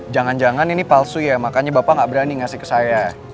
jangan jangan ini palsu ya makanya bapak nggak berani ngasih ke saya